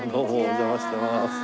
お邪魔してます。